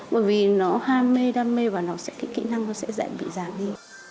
bởi vì nó ham mê đam mê vào nó kỹ năng nó sẽ dạy bị giảm đi